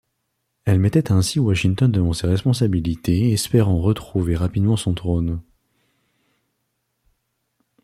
Elle mettait ainsi Washington devant ses responsabilités, espérant retrouver rapidement son trône.